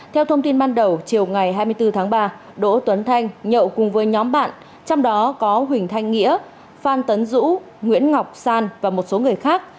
theo thông tin ban đầu chiều ngày hai mươi bốn tháng ba đỗ tuấn thanh nhậu cùng với nhóm bạn trong đó có huỳnh thanh nghĩa phan tấn dũ nguyễn ngọc san và một số người khác